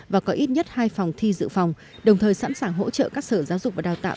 và có ít nhất hai phòng thi dự phòng đồng thời sẵn sàng hỗ trợ các sở giáo dục và đào tạo